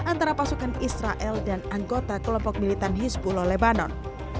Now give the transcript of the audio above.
antara pasukan israel dan anggota kelompok militan hispulo lebanon